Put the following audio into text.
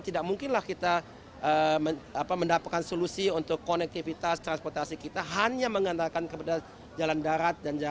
tidak mungkinlah kita mendapatkan solusi untuk konektivitas transportasi kita hanya mengandalkan kepada jalan darat